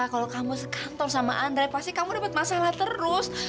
kalau kamu kantor sama andre pasti kamu dapat masalah terus